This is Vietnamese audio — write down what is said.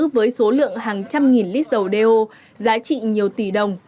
với số lượng hàng trăm nghìn lít dầu đeo giá trị nhiều tỷ đồng